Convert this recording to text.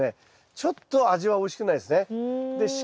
ちょっと味はおいしくないですね。